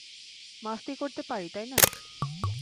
মাস্তি করতে পারি, তাই না?